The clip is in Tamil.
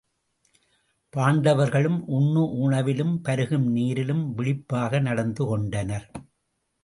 பாண்டவர்களும் உண்ணும் உணவிலும், பருகும் நீரிலும் விழிப்பாக நடந்து கொண்டனர்.